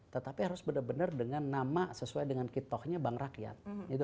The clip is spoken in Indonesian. tetapi harus benar benar dengan nama sesuai dengan kitohnya bank rakyat